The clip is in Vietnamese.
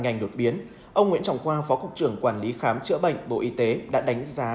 ngành đột biến ông nguyễn trọng khoa phó cục trưởng quản lý khám chữa bệnh bộ y tế đã đánh giá